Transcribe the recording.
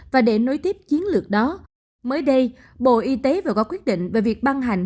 và để nối tiếp chiến lược đó mới đây bộ y tế vừa có quyết định về việc ban hành